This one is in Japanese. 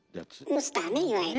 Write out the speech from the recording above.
ウスターねいわゆる。